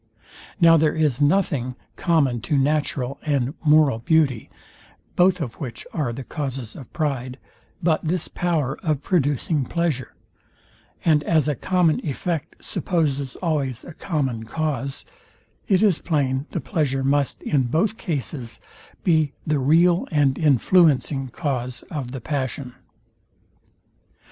Now there is nothing common to natural and moral beauty, (both of which are the causes of pride) but this power of producing pleasure; and as a common effect supposes always a common cause, it is plain the pleasure must in both cases be the real and influencing cause of the passion.